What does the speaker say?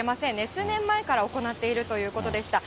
数年前から行っているということでした。